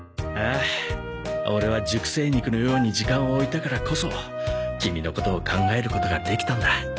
ああオレは熟成肉のように時間を置いたからこそキミのことを考えることができたんだ。